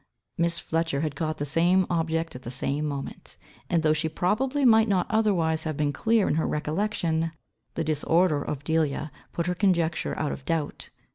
Miss Fletcher had caught the same object at the same moment, and, though she probably might not otherwise have been clear in her recollection, the disorder of Delia put her conjecture out of doubt.